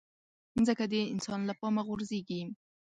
مځکه د انسان له پامه غورځيږي.